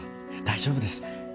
大丈夫です。